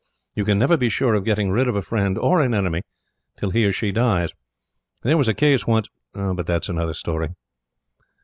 You can never be sure of getting rid of a friend or an enemy till he or she dies. There was a case once but that's another story.